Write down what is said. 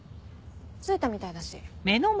着いたみたいだし。